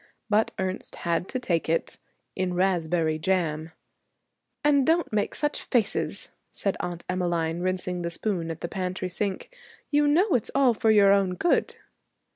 But Ernest had to take it in raspberry jam. 'And don't make such faces,' said Aunt Emmeline, rinsing the spoon at the pantry sink. 'You know it's all for your own good.'